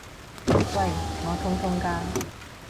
喂！我痛痛㗎！